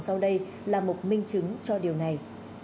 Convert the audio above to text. sau đây là một minh chứng cho điều này